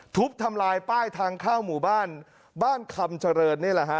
ทุบทำลายป้ายทางเข้าหมู่บ้านบ้านคำเจริญ